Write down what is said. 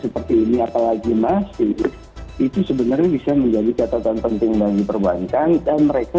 seperti ini apalagi masih itu sebenarnya bisa menjadi catatan penting bagi perbankan dan mereka